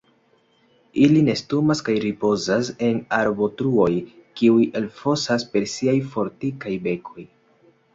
Ili nestumas kaj ripozas en arbotruoj kiuj elfosas per siaj fortikaj bekoj.